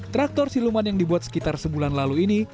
traktor siluman yang dibuat sekitar sebulan lalu ini